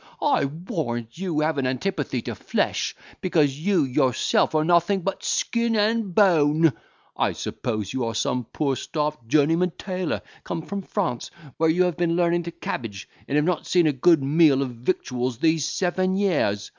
I warrant you have an antipathy to flesh, because you yourself are nothing but skin and bone. I suppose you are some poor starved journeyman tailor come from France, where you have been learning to cabbage, and have not seen a good meal of victuals these seven years.